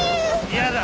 嫌だ！